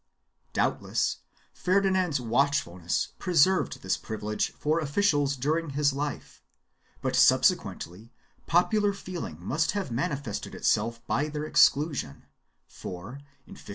4 Doubtless Ferdinand's watchfulness preserved this privilege for officials during his life, but subsequently popular feeling must have manifested itself by their exclusion, for, in 1523, Charles V for 1 Novfs.